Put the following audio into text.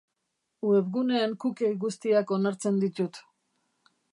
Webguneen cookie guztiak onartzen ditut.